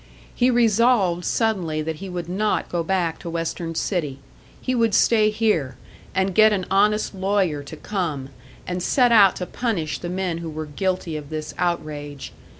He resolved suddenly that he would not go back to Western City; he would stay here, and get an honest lawyer to come, and set out to punish the men who were guilty of this outrage.